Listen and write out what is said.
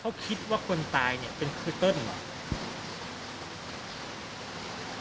เขาคิดว่าคนตายเป็นไอเติ้ลหรือเปล่า